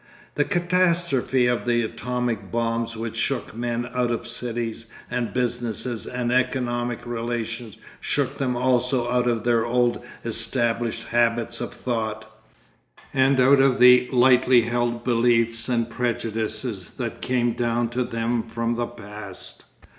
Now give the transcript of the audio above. The catastrophe of the atomic bombs which shook men out of cities and businesses and economic relations shook them also out of their old established habits of thought, and out of the lightly held beliefs and prejudices that came down to them from the past.